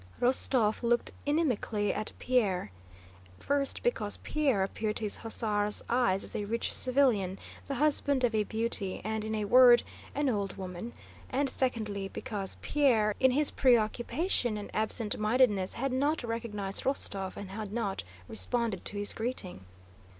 Rostóv looked inimically at Pierre, first because Pierre appeared to his hussar eyes as a rich civilian, the husband of a beauty, and in a word—an old woman; and secondly because Pierre in his preoccupation and absent mindedness had not recognized Rostóv and had not responded to his greeting.